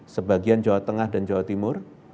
sebagian jawa tengah dan jawa timur